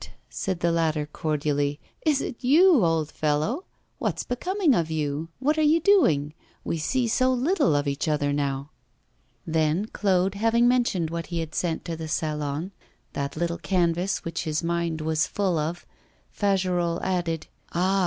said the latter, cordially, 'is it you, old fellow? What's becoming of you? What are you doing? We see so little of each other now.' Then, Claude having mentioned what he had sent to the Salon that little canvas which his mind was full of Fagerolles added: 'Ah!